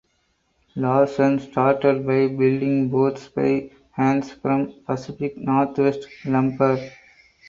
Larson started by building boats by hand from Pacific Northwest lumber.